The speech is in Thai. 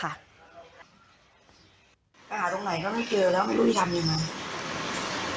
ไปหาตรงไหนก็ไม่เจอแล้วไม่รู้จะทำยังไง